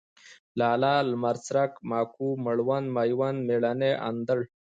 لالی ، لمرڅرک ، ماکو ، مړوند ، مېوند ، مېړنی، اندړ